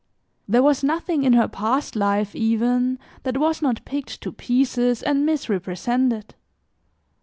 There was nothing in her past life, even, that was not picked to pieces and misrepresented.